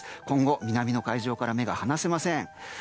今後、南の海上から目が離せません。